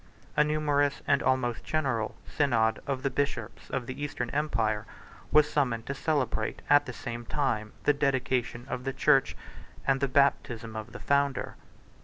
A numerous, and almost general, synod of the bishops of the Eastern empire, was summoned to celebrate, at the same time, the dedication of the church, and the baptism of the founder.